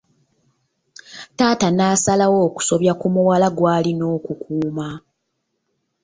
Taata n'asalawo okusobya ku muwala gw'alina okukuuma.